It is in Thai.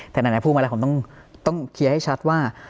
แต่ไหนพูดมาแล้วผมต้องเคลียร์ให้ชัดว่า